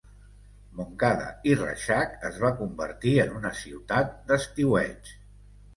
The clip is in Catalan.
Montcada i Reixac es va convertir en una ciutat d'estiueig.